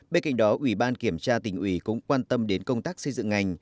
bên cạnh đó ủy ban kiểm tra tỉnh ủy cũng quan tâm đến công tác xây dựng ngành